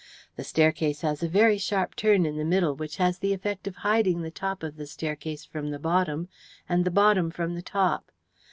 The staircase has a very sharp turn in the middle, which has the effect of hiding the top of the staircase from the bottom, and the bottom from the top.